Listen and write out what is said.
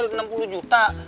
ya lu harus beramah